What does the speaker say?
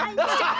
hahaha cepet gajah